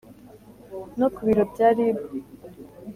no ku biro bya rib